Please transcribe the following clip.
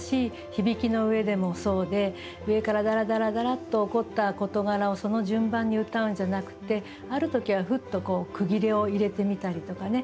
響きの上でもそうで上からダラダラダラッと起こった事柄をその順番に歌うんじゃなくてある時はフッと句切れを入れてみたりとかね